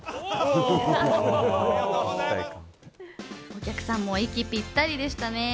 お客さんも息ぴったりでしたね。